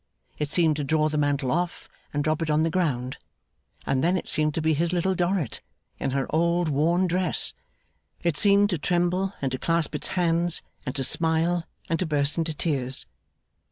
It seemed to draw the mantle off and drop it on the ground, and then it seemed to be his Little Dorrit in her old, worn dress. It seemed to tremble, and to clasp its hands, and to smile, and to burst into tears.